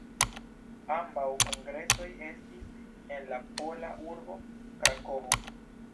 Ambaŭ kongresoj estis en la pola urbo Krakovo.